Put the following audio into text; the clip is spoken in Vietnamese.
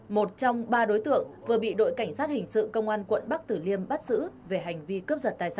một trong ba đối tượng vừa bị đội cảnh sát hình sự công an quận bắc tử liêm bắt giữ